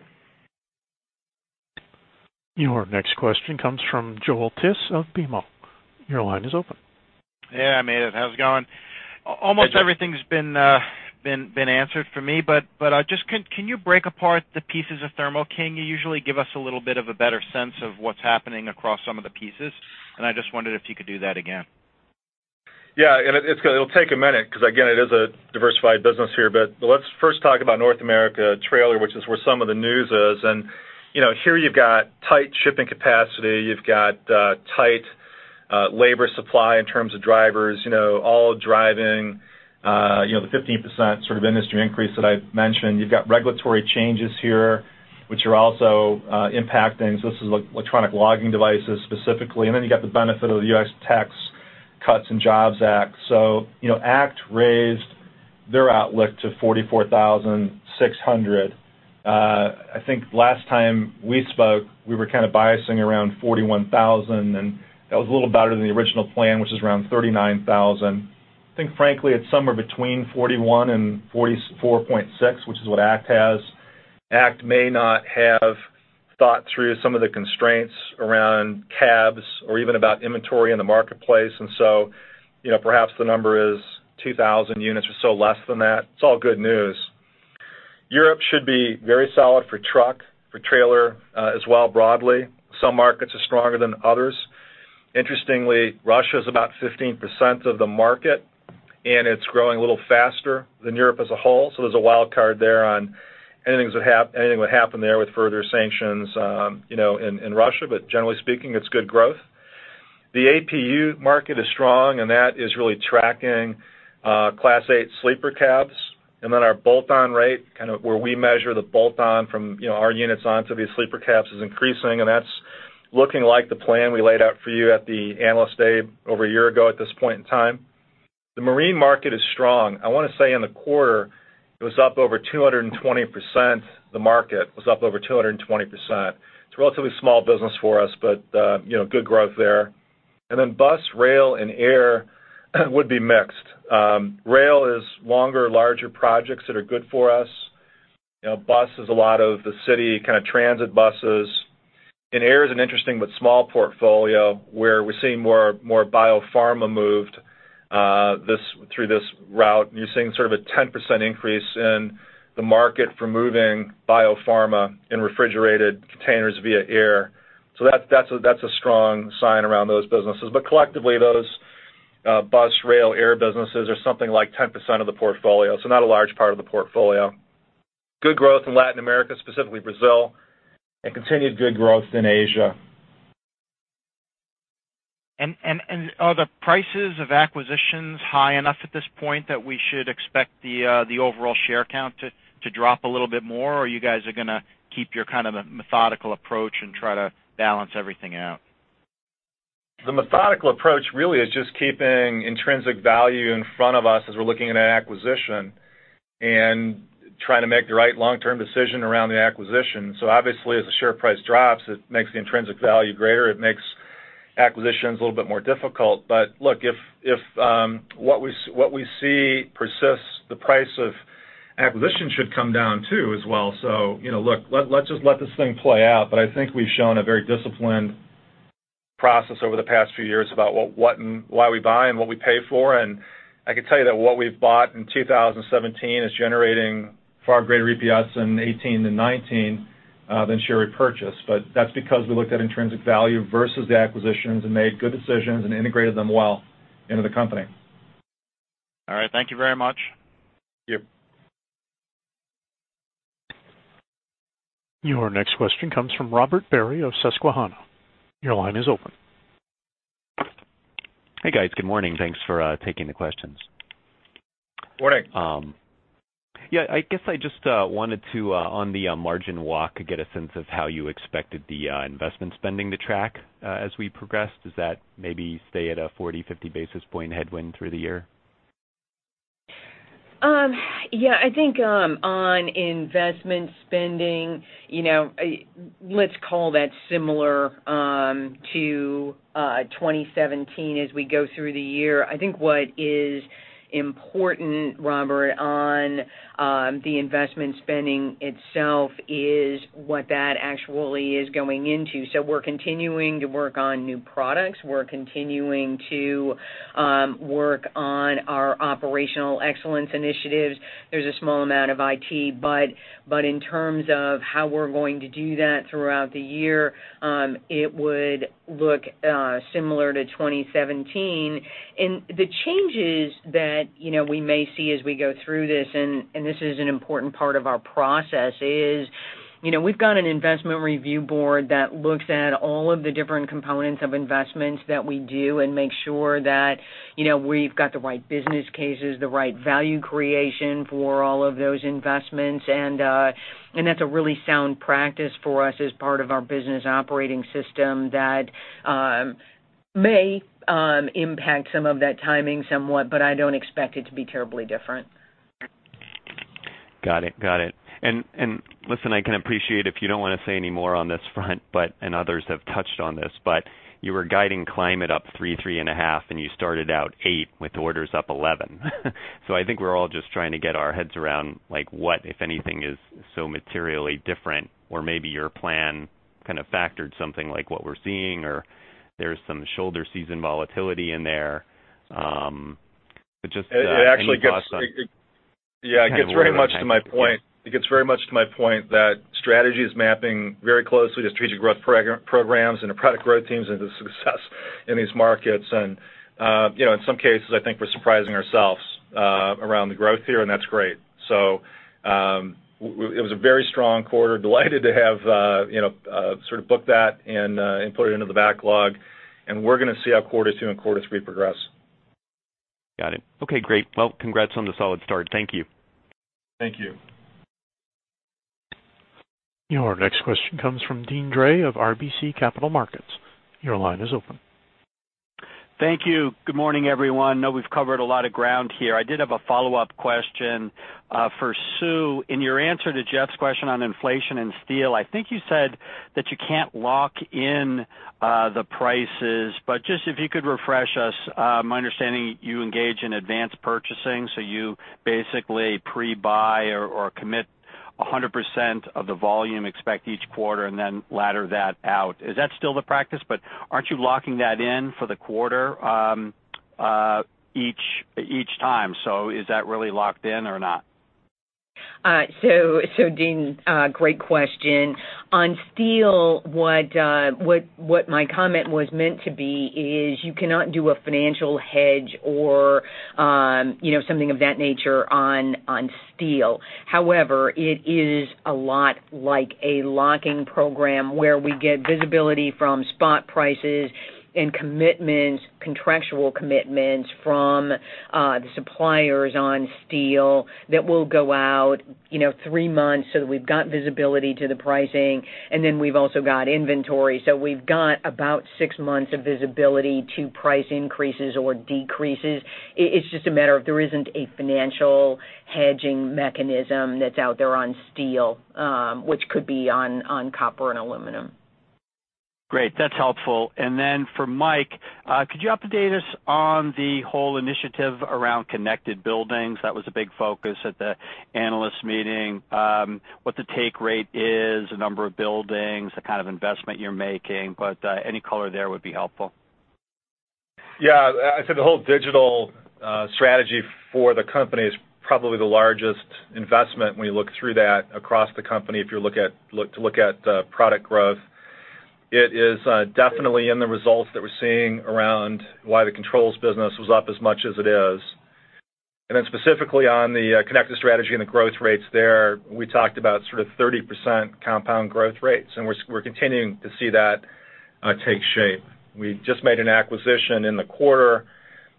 Your next question comes from Joel Tiss of BMO. Your line is open. Yeah, I made it. How's it going? Almost everything's been answered for me. Just, can you break apart the pieces of Thermo King? You usually give us a little bit of a better sense of what's happening across some of the pieces, I just wondered if you could do that again. Yeah. It'll take a minute because, again, it is a diversified business here. Let's first talk about North America trailer, which is where some of the news is. Here you've got tight shipping capacity. You've got tight labor supply in terms of drivers, all driving the 15% sort of industry increase that I mentioned. You've got regulatory changes here, which are also impacting. This is electronic logging devices specifically. Then you got the benefit of the U.S. Tax Cuts and Jobs Act. ACT raised their outlook to 44,600. I think last time we spoke, we were kind of biasing around 41,000, that was a little better than the original plan, which is around 39,000. I think frankly, it's somewhere between 41,000 and 44,600, which is what ACT has. ACT Research may not have thought through some of the constraints around cabs or even about inventory in the marketplace, perhaps the number is 2,000 units or so less than that. It's all good news. Europe should be very solid for truck, for trailer as well, broadly. Some markets are stronger than others. Interestingly, Russia is about 15% of the market, and it's growing a little faster than Europe as a whole, there's a wild card there on anything would happen there with further sanctions in Russia. Generally speaking, it's good growth. The APU market is strong, and that is really tracking Class 8 sleeper cabs. Our bolt-on rate, kind of where we measure the bolt-on from our units onto these sleeper cabs is increasing, and that's looking like the plan we laid out for you at the Analyst Day over one year ago at this point in time. The marine market is strong. I want to say in the quarter it was up over 220%, the market was up over 220%. It's a relatively small business for us, but good growth there. Bus, rail, and air would be mixed. Rail is longer, larger projects that are good for us. Bus is a lot of the city kind of transit buses. Air is an interesting but small portfolio, where we're seeing more biopharma moved through this route. You're seeing sort of a 10% increase in the market for moving biopharma in refrigerated containers via air. That's a strong sign around those businesses. Collectively, those bus, rail, air businesses are something like 10% of the portfolio. Not a large part of the portfolio. Good growth in Latin America, specifically Brazil, and continued good growth in Asia. Are the prices of acquisitions high enough at this point that we should expect the overall share count to drop a little bit more, or you guys are going to keep your kind of methodical approach and try to balance everything out? The methodical approach really is just keeping intrinsic value in front of us as we're looking at an acquisition and trying to make the right long-term decision around the acquisition. Obviously, as the share price drops, it makes the intrinsic value greater. It makes acquisitions a little bit more difficult. Look, if what we see persists, the price of acquisition should come down too as well. Look, let's just let this thing play out. I think we've shown a very disciplined process over the past few years about what and why we buy and what we pay for. I can tell you that what we've bought in 2017 is generating far greater EPS in 2018 and 2019 than share repurchase. That's because we looked at intrinsic value versus the acquisitions and made good decisions and integrated them well into the company. All right. Thank you very much. Thank you. Your next question comes from Robert Barry of Susquehanna. Your line is open. Hey, guys. Good morning. Thanks for taking the questions. Morning. Yeah, I guess I just wanted to, on the margin walk, get a sense of how you expected the investment spending to track as we progress. Does that maybe stay at a 40, 50 basis point headwind through the year? Yeah, I think on investment spending, let's call that similar to 2017 as we go through the year. I think what is important, Robert, on the investment spending itself is what that actually is going into. We're continuing to work on new products. We're continuing to work on our operational excellence initiatives. There's a small amount of IT, but in terms of how we're going to do that throughout the year, it would look similar to 2017. The changes that we may see as we go through this, and this is an important part of our process, is we've got an investment review board that looks at all of the different components of investments that we do and makes sure that we've got the right business cases, the right value creation for all of those investments. That's a really sound practice for us as part of our business operating system that may impact some of that timing somewhat, but I don't expect it to be terribly different. Got it. Listen, I can appreciate if you don't want to say any more on this front, others have touched on this, you were guiding Climate up 3%, 3.5%, and you started out 8% with orders up 11%. I think we're all just trying to get our heads around what, if anything, is so materially different, or maybe your plan kind of factored something like what we're seeing, or there's some shoulder season volatility in there. Just any thoughts on. It actually gets very much to my point that strategy is mapping very closely to Strategic Growth Programs and the product growth teams and the success in these markets. In some cases, I think we're surprising ourselves around the growth here, and that's great. It was a very strong quarter. Delighted to have sort of booked that and put it into the backlog. We're going to see how quarter 2 and quarter 3 progress. Got it. Okay, great. Congrats on the solid start. Thank you. Thank you. Your next question comes from Deane Dray of RBC Capital Markets. Your line is open. Thank you. Good morning, everyone. We know we've covered a lot of ground here. I did have a follow-up question for Sue. In your answer to Jeff's question on inflation and steel, I think you said that you can't lock in the prices, just if you could refresh us. My understanding, you engage in advanced purchasing, so you basically pre-buy or commit 100% of the volume expect each quarter and then ladder that out. Is that still the practice? Aren't you locking that in for the quarter? each time. Is that really locked in or not? Deane, great question. On steel, what my comment was meant to be is you cannot do a financial hedge or something of that nature on steel. However, it is a lot like a locking program where we get visibility from spot prices and contractual commitments from the suppliers on steel that will go out three months, that we've got visibility to the pricing, and then we've also got inventory. We've got about six months of visibility to price increases or decreases. It's just a matter of there isn't a financial hedging mechanism that's out there on steel, which could be on copper and aluminum. Great. That's helpful. Then for Mike, could you update us on the whole initiative around connected buildings? That was a big focus at the analyst meeting. What the take rate is, the number of buildings, the kind of investment you're making, any color there would be helpful. I'd say the whole digital strategy for the company is probably the largest investment when you look through that across the company if you look at product growth. It is definitely in the results that we're seeing around why the controls business was up as much as it is. Specifically on the connected strategy and the growth rates there, we talked about sort of 30% compound growth rates, and we're continuing to see that take shape. We just made an acquisition in the quarter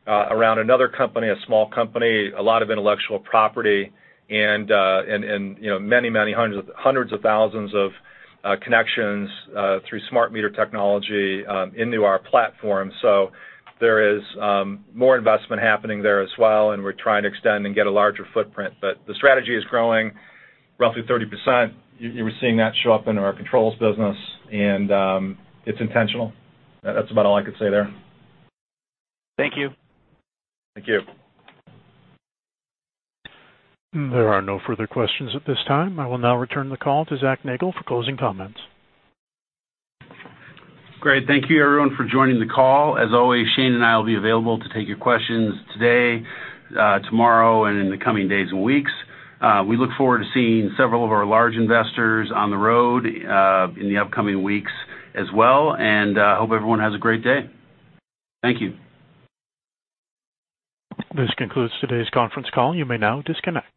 around another company, a small company, a lot of intellectual property, and hundreds of thousands of connections through smart meter technology into our platform. There is more investment happening there as well, and we're trying to extend and get a larger footprint. The strategy is growing roughly 30%. You were seeing that show up in our controls business and it's intentional. That's about all I could say there. Thank you. Thank you. There are no further questions at this time. I will now return the call to Zach Nagel for closing comments. Great. Thank you everyone for joining the call. As always, Shane and I will be available to take your questions today, tomorrow, and in the coming days and weeks. We look forward to seeing several of our large investors on the road in the upcoming weeks as well, and hope everyone has a great day. Thank you. This concludes today's conference call. You may now disconnect.